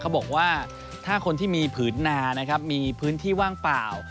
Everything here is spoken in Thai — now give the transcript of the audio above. บอกว่าถ้าคนที่มีผืนนานะครับมีพื้นที่ว่างเปล่า